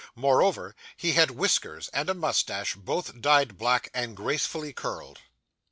Moreover, he had whiskers and a moustache, both dyed black and gracefully curled.